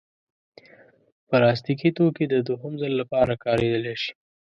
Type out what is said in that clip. پلاستيکي توکي د دوهم ځل لپاره کارېدلی شي.